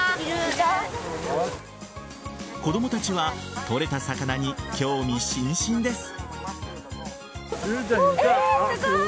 子供たちは取れた魚に興味津々です。